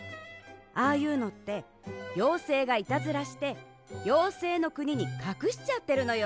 ああいうのってようせいがいたずらしてようせいのくににかくしちゃってるのよ。